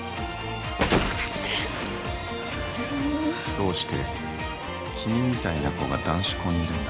どうして君みたいな子が男子校にいるんだ？